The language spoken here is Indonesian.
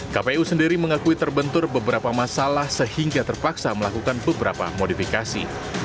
kpu sendiri mengakui terbentur beberapa masalah sehingga terpaksa melakukan beberapa modifikasi